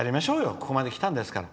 ここまできたんですから。